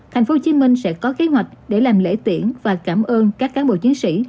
tp hcm sẽ có kế hoạch để làm lễ tiễn và cảm ơn các cán bộ chiến sĩ